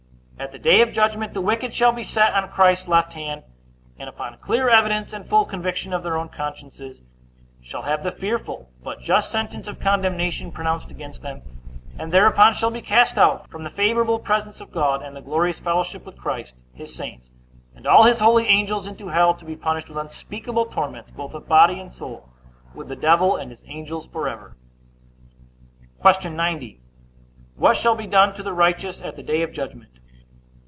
At the day of judgment, the wicked shall be set on Christ's left hand, and, upon clear evidence, and full conviction of their own consciences, shall have the fearful but just sentence of condemnation pronounced against them; and thereupon shall be cast out from the favorable presence of God, and the glorious fellowship with Christ, his saints, and all his holy angels, into hell, to be punished with unspeakable torments, both of body and soul, with the devil and his angels forever. Q. 90. What shall be done to the righteous at the day of judgment?